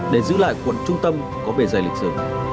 để giữ lại quận trung tâm có bề dày lịch sử